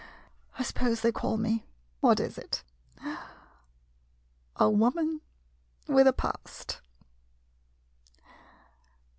I suppose they call me — what is it ?—" a wo man with a past."